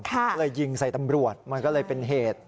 ก็เลยยิงใส่ตำรวจมันก็เลยเป็นเหตุ